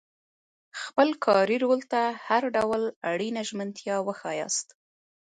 خپل کاري رول ته هر ډول اړینه ژمنتیا وښایاست.